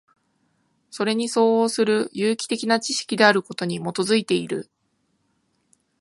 それに相応する有機的な知識であることに基いている。